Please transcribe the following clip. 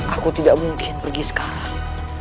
aku tidak mungkin pergi sekarang